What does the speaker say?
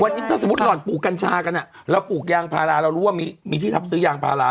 วันนี้ถ้าสมมุติหล่อนปลูกกัญชากันเราปลูกยางพาราเรารู้ว่ามีที่รับซื้อยางพารา